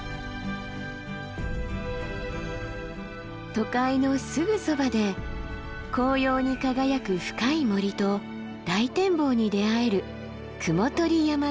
都会のすぐそばで紅葉に輝く深い森と大展望に出会える雲取山です。